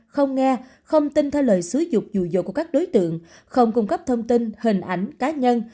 không nghe không tin theo lời xứ dục dù dậu của các đối tượng không cung cấp thông tin hình ảnh cá nhân